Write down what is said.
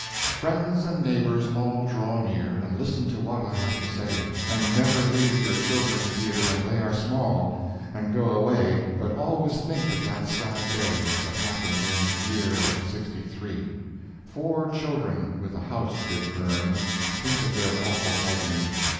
Friends and neighbors all draw near, And listen to what I have to say; And never leave your children dear When they are small, and go away But always think of that sad fate, That happened in year of '63; Four children with a house did burn, Think of their awful agony.